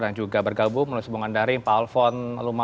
dan juga bergabung melalui hubungan dari pak alfon